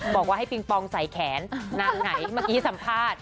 บอกว่าให้ปิงปองใส่แขนนางไหนเมื่อกี้สัมภาษณ์